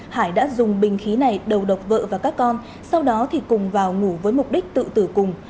hải đã dùng bình khí này đầu độc vợ và các con sau đó thì cùng vào ngủ với mục đích tự tử cùng